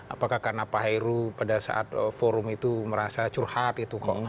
apakah karena pak heru pada saat forum itu merasa curhat itu kok